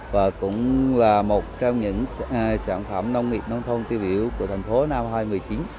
và cũng là một trong những sản phẩm nông nghiệp nông thôn tiêu biểu của thành phố nam hoài một mươi chín